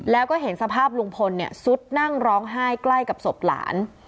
แล้วก็เห็นสภาพลุงพลซุดนั่งร้องไห้ใกล้กับศพหลาน